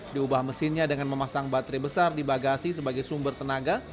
diubah mesinnya dengan memasang baterai besar di bagasi sebagai sumber tenaga